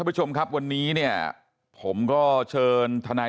เป็นหลักฐานที่เรามีอยู่แล้ว